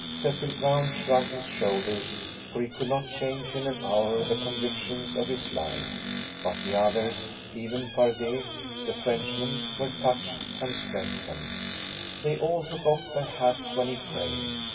Cecil Brown shrugged his shoulders, for he could not change in an hour the convictions of his life; but the others, even Fardet, the Frenchman, were touched and strengthened. They all took off their hats when he prayed.